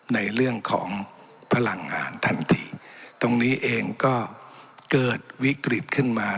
ในเรื่องของพลังงานทันทีตรงนี้เองก็เกิดวิกฤตขึ้นมา